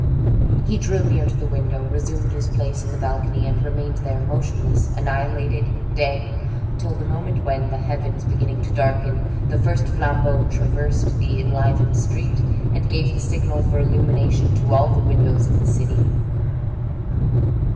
He drew near to the window, resumed his place in the balcony, and remained there, motionless, annihilated, dead, till the moment when, the heavens beginning to darken, the first flambeaux traversed the enlivened street, and gave the signal for illumination to all the windows of the city.